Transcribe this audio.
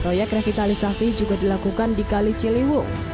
proyek revitalisasi juga dilakukan di kali ciliwung